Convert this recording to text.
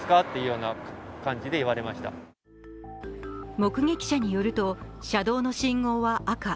目撃者によると、車道の信号は赤。